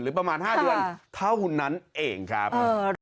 ประมาณ๕เดือนเท่านั้นเองครับ